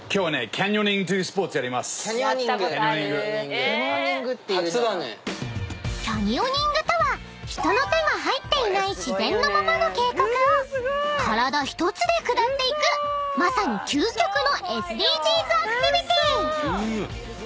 ［キャニオニングとは人の手が入っていない自然のままの渓谷を体一つで下っていくまさに究極のＳＤＧｓアクティビティー］